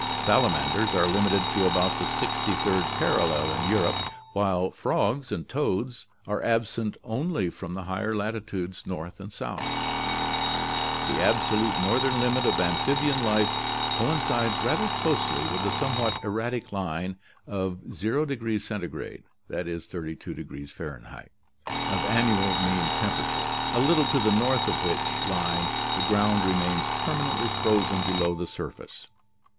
Salamanders are limited to about the sixty third parallel in Europe, while frogs and toads are absent only from the higher latitudes north and south. "The absolute northern limit of amphibian life coincides rather closely with the somewhat erratic line of o° Centigrade [320 F.] of annual mean temperature, a little to the north of which line the ground remains permanently frozen below the surface.